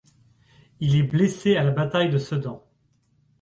Il est blessé à la bataille de Sedan.